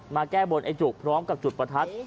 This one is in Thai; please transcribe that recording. แก้บนไอ้จุกพร้อมกับจุดประทัด